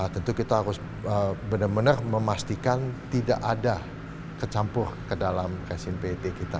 tentu kita harus benar benar memastikan tidak ada kecampur ke dalam cashin pet kita